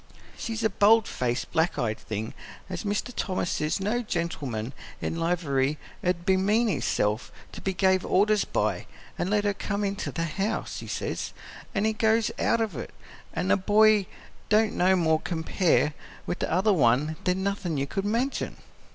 She's a bold faced, black eyed thing, as Mr. Thomas says no gentleman in livery 'u'd bemean hisself to be gave orders by; and let her come into the house, he says, an' he goes out of it. An' the boy don't no more compare with the other one than nothin' you could mention.